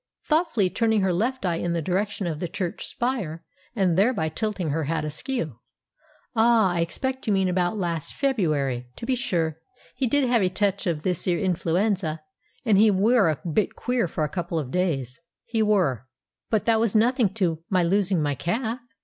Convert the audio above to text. —thoughtfully turning her left eye in the direction of the church spire, and thereby tilting her hat askew. "Ah, I expect you mean about last February; to be sure, he did have a touch of this 'ere influenza; and he were a bit queer for a couple of days, he were: but that was nothing to my losing my calf!"